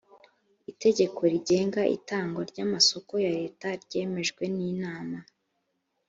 itegeko rigenga itangwa ry amasoko ya leta ryemejwe n inama